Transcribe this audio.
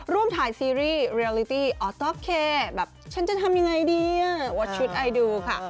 ร่วมถ่ายซีรีส์เรียลิตี้อต๊อกเคแบบฉันจะทำยังไงดีอ่ะวัดชุดไอดูค่ะ